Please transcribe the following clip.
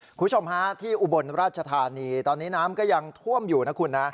คุณผู้ชมฮะที่อุบลราชธานีตอนนี้น้ำก็ยังท่วมอยู่นะคุณนะ